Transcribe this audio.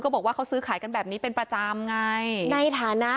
บอกว่าเขาซื้อขายกันแบบนี้เป็นประจำไงในฐานะ